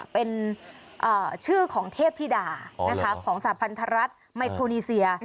เป็นชื่อของเทพธิดาของสาพันธรัฐไมโครนีเซีย